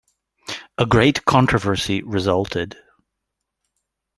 A great controversy resulted.